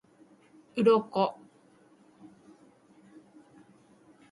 鱗